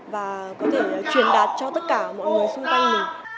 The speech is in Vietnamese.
và có thể truyền đạt cho tất cả mọi người xung quanh mình